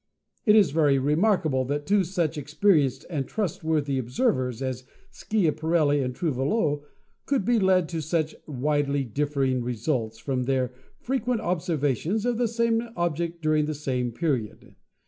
It is very remarkable that two such experienced and trustworthy ob servers as Schiaparelli and Trouvelot could be led to such widely differing results from their frequent observations of the same object during the same period.